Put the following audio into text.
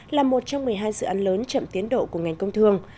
là một trong một mươi hai dự án lớn chậm tiến độ của ngành công thương